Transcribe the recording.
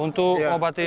untuk obat ini